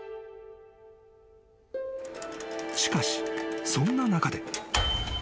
［しかしそんな中で］